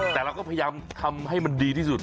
แต่เราก็พยายามทำให้มันดีที่สุด